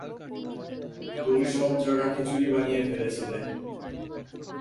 তুমি সব জগাখিচুরি বানিয়ে ফেলেছিলে।